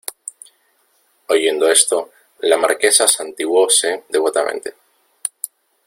oyendo esto, la Marquesa santiguóse devotamente.